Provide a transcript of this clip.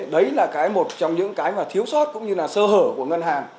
đấy là cái một trong những cái mà thiếu sót cũng như là sơ hở của ngân hàng